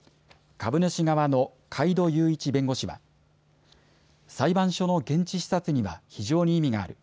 株主側の海渡雄一弁護士は裁判所の現地視察には非常に意味がある。